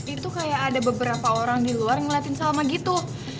itu kayak ada beberapa orang di luar ngeliatin salma gitu